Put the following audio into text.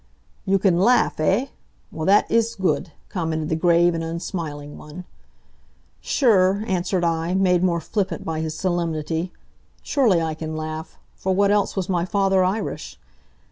"You can laugh, eh? Well, that iss good," commented the grave and unsmiling one. "Sure," answered I, made more flippant by his solemnity. "Surely I can laugh. For what else was my father Irish?